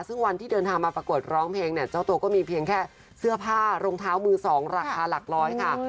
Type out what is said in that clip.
ซึ่งวันที่เดินทางมาประกวดร้องเพลงเนี่ยเจ้าตัวก็มีเพียงแค่เสื้อผ้ารองเท้ามือสองราคาหลักร้อยค่ะ